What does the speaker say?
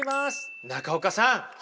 中岡さん